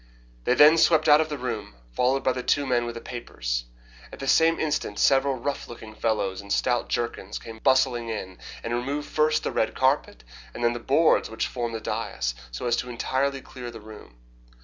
They then swept out of the room, followed by the two men with the papers. At the same instant several rough looking fellows in stout jerkins came bustling in and removed first the red carpet, and then the boards which formed the dais, so as to entirely clear the room.